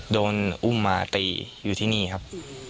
โดนอุ้มมาตีอยู่ที่นี่ครับ